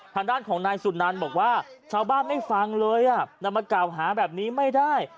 ทางด้านของนายสุนันบอกว่าชาวบ้านไม่ฟังเลยนำมากล่าวหาแบบนี้ไม่ได้